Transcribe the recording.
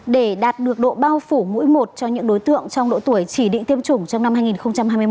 để đạt được độ bao phủ mỗi một cho những đối tượng trong độ tuổi chỉ định tiêm chủng trong năm hai nghìn hai mươi một